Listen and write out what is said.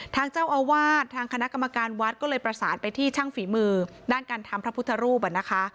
ทางเจ้าอาวาสทางคณะกรรมการวัดก็เลยประสานไปที่ช่างฝีมือด้านการทำพระพุทธรูปนะคะ